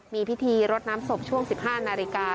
มีพิธีรดน้ำศพช่วง๑๕นาฬิกา